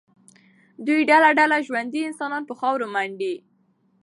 دوی ډله ډله ژوندي انسانان په خاورو منډي.